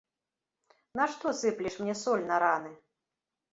Нашто сыплеш мне соль на раны?